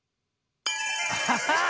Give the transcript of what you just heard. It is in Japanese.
アハハッ！